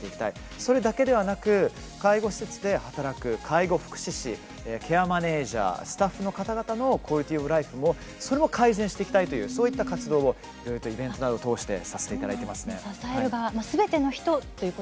それだけではなく介護施設で働く介護福祉士ケアマネージャースタッフの方々もクオリティオブライフも改善していきたいという活動をイベントなどを通してしています。